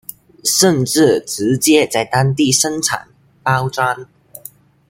甚至直接在當地生產、包裝